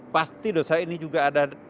pasti dosa ini juga ada